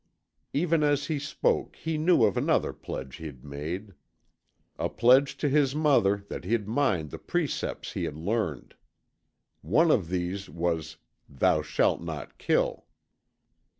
Even as he spoke he knew of another pledge he'd made. A pledge to his mother that he'd mind the precepts he had learned. One of these was "Thou Shalt Not Kill."